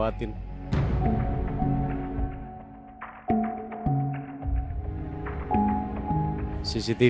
sayang banget kalau sampai gue lewatin